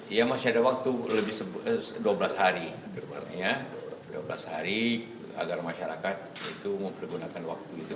iya masih ada waktu lebih dua belas hari artinya dua belas hari agar masyarakat itu mempergunakan waktu itu